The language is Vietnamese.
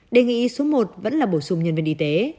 đề nghị số một vẫn là bổ sung nhân viên y tế